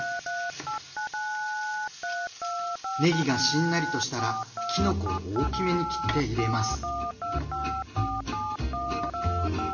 ねぎがしんなりとしたらきのこを大きめに切って入れます。